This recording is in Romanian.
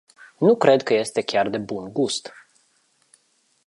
Nu cred că este chiar de bun-gust.